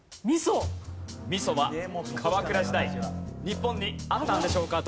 味噌は鎌倉時代日本にあったんでしょうか？